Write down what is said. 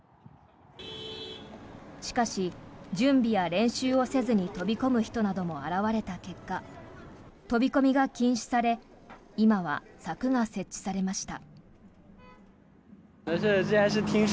しかし、準備や練習をせずに飛び込む人も現れた結果飛び込みが禁止され今は柵が設置されました。